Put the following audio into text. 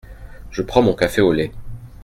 Je prends mon café au lait !